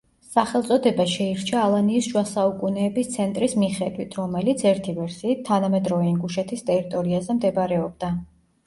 სახელწოდება შეირჩა ალანიის შუა საუკუნეების ცენტრის მიხედვით, რომელიც, ერთი ვერსიით, თანამედროვე ინგუშეთის ტერიტორიაზე მდებარეობდა.